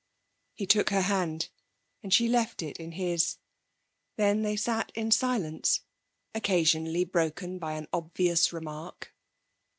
He took her hand, and she left it in his. Then they sat in silence, occasionally broken by an obvious remark.